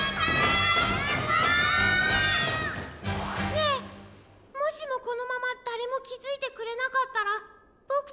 ねえもしもこのままだれもきづいてくれなかったらボク